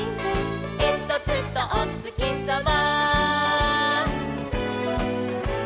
「えんとつとおつきさま」